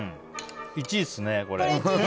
１位っすね、これ。